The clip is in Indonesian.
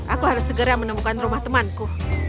aku harus segera menemukan rumah temanku